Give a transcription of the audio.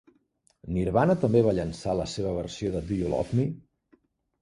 Nirvana també va llançar la seva versió de Do You Love Me?